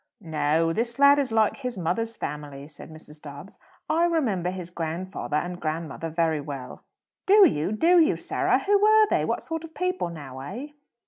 "No; this lad is like his mother's family," said Mrs. Dobbs. "I remember his grandfather and grandmother very well." "Do you? Do you, Sarah? Who were they? What sort of people, now, eh?"